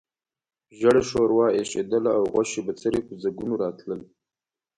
ژېړه ښوروا اېشېدله او غوښې بڅري په ځګونو راتلل.